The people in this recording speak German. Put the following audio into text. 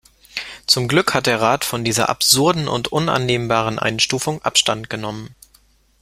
Zum Glück hat der Rat von dieser absurden und unannehmbaren Einstufung Abstand genommen.